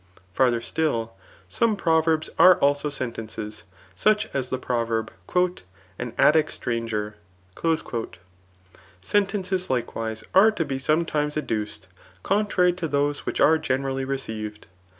Farther still, some proverbs are also sentences ; such as the proverb, ^* An Attic stranger/' Sentences likewise are to be somedihes ad« duced, contrary to those which are generally received.